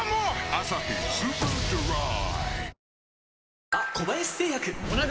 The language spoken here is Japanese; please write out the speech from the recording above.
「アサヒスーパードライ」